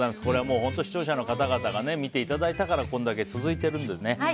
これは本当に視聴者の皆様が見ていただいたからこれだけ続いているんですね。